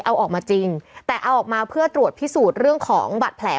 เอาออกมาจริงแต่เอาออกมาเพื่อตรวจพิสูจน์เรื่องของบัตรแผล